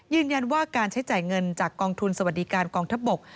ยืนยันว่าการใช้จ่ายเงินจากกองทุนสวัสดิการกองทัพบก